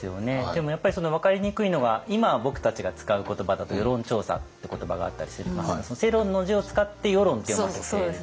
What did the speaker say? でもやっぱり分かりにくいのは今僕たちが使う言葉だと「世論調査」って言葉があったりしていますけど「世論」の字を使って「ヨロン」って読ませている。